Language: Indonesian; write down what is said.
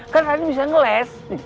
kan raden bisa ngeles